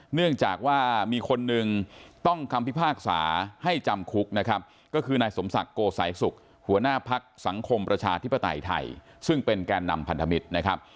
เนื่องจากว่ามีคนหนึ่งต้องคำพิพากษาให้จำคุกนะครับก็คือนายสมศักดิ์โกสายสุขหัวหน้าพักสังคมประชาธิปไตยไทยซึ่งเป็นแก่นำพันธมิตรนะครับ